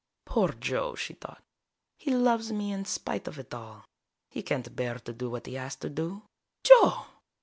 _ Poor Joe, she thought. _He loves me in spite of it all. He can't bear to do what he has to do. Joe!